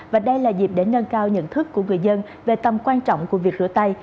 và đây là dịp để nâng cao nhận thức của người dân về tầm quan trọng của việc rửa tay